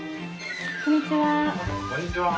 こんにちは。